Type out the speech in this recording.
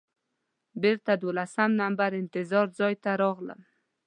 بېرته دولسم نمبر انتظار ځای ته راغلم.